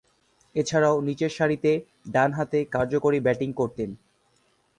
এছাড়াও, নিচেরসারিতে ডানহাতে কার্যকরী ব্যাটিং করতেন তিনি।